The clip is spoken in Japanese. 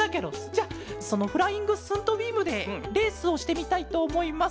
じゃそのフライング・スントビームでレースをしてみたいとおもいます。